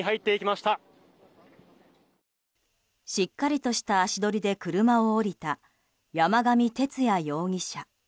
しっかりとした足取りで車を降りた山上徹也容疑者。